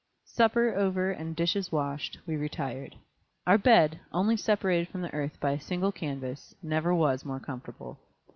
Supper over and dishes washed, we retired. Our bed, only separated from the earth by a single canvas, never was more comfortable.